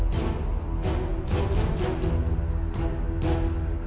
ถ้าอย่างนั้น